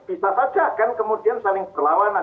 bisa saja kan kemudian saling berlawanan